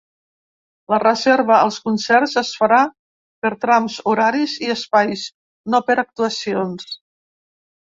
La reserva als concerts es farà per trams horaris i espais, no per actuacions.